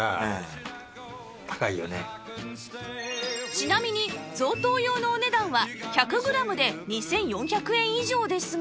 ちなみに贈答用のお値段は１００グラムで２４００円以上ですが